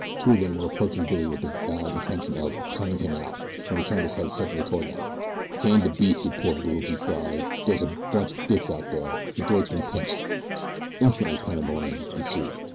Two of them were approaching Billy with the avowed intention of "turning him out," when he turned his head suddenly toward them. "Can de beef, you poor boobs," he cried. "Dere's a bunch o' dicks out dere de joint's been pinched." Instantly pandemonium ensued.